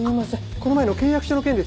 この前の契約書の件ですよね。